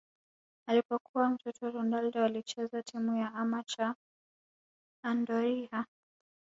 Alipokuwa mtoto Ronaldo alicheza timu ya amateur Andorinha